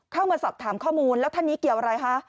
เข้ามาสอบถามข้อมูลแล้วท่านนี้เกี่ยวอะไรคะ